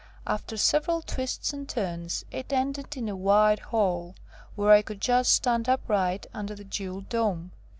After several twists and turns, it ended in a wide hall, where I could just stand upright under the jewelled dome!